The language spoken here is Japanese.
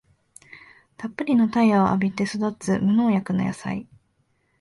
たっぷりの太陽を浴びて育つ無農薬の野菜